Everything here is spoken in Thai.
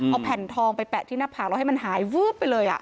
เอาแผ่นทองไปแปะที่หน้าผากแล้วให้มันหายวับไปเลย